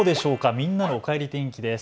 みんなのおかえり天気です。